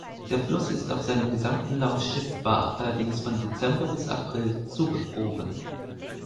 Der Fluss ist auf seinem gesamten Lauf schiffbar, allerdings von Dezember bis April zugefroren.